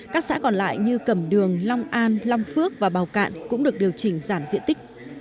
các xã còn lại như cẩm đường long an long phước và bào cạn cũng được điều chỉnh giảm diện tích